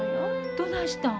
どないしたん？